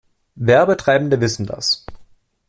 Werbetreibende wissen das.